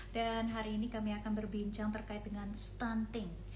dan hari ini kami akan berbincang terkait dengan stunting